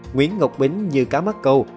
nguyễn ngọc bính như cá mắt câu